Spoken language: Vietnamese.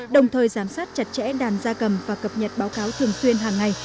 đồng thời giám sát chặt chẽ đàn gia cầm và cập nhật báo cáo thường xuyên hàng ngày